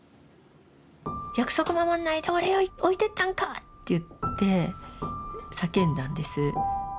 約束守んないで俺を置いてったんか！」って言って叫んだんです。